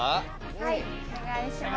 はいお願いします。